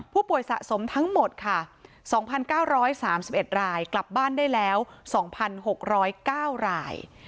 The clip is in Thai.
ผู้ป่วยสะสมทั้งหมดค่ะ๒๙๓๑รายกลับบ้านได้แล้ว๒๖๐๙ราย